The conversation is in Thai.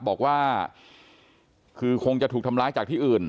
บอกว่าคือคงจะถูกทำร้ายจากที่อื่น